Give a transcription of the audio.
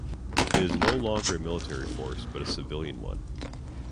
It is no longer a military force, but a civilian one.